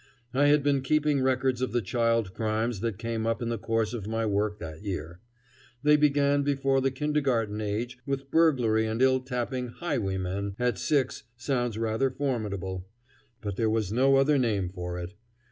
I had been keeping records of the child crimes that came up in the course of my work that year. They began before the kindergarten age with burglary and till tapping. "Highwaymen" at six sounds rather formidable, but there was no other name for it.